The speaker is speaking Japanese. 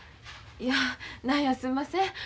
いや何やすんません。